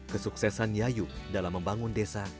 kesuksesan yayu dalam membangun desa